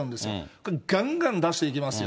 これ、がんがん出していきますよ。